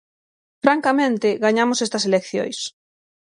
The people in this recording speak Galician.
Francamente, gañamos estas eleccións.